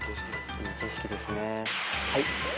いい景色ですね。